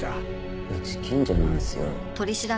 うち近所なんですよ。